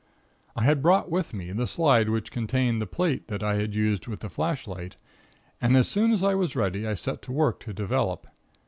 "I had brought with me the slide which contained the plate that I had used with the flashlight, and as soon as I was ready I set to work to develop.